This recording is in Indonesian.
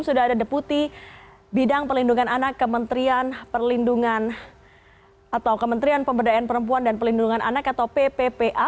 sudah ada deputi bidang pelindungan anak kementerian atau kementerian pemberdayaan perempuan dan pelindungan anak atau pppa